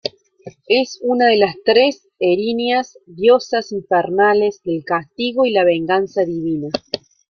Es una de las tres erinias, diosas infernales del castigo y la venganza divina.